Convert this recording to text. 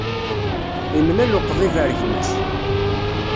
Imlal uqḍib ar gma-s.